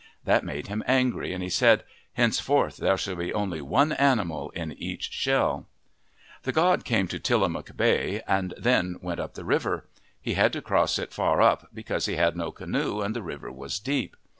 That made him angry and he said, " Henceforth there shall be only one animal in each shell." The god came to Tillamook Bay and then went up the river. He had to cross it far up because he had no canoe and the river was deep.